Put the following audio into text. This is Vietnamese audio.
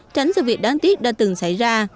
tránh sự việc đáng tiếc đã từng xảy ra